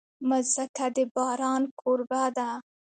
مځکه د باران کوربه ده.